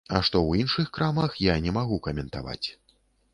А што ў іншых крамах, я не магу каментаваць.